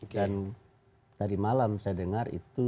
dan tadi malam saya dengar itu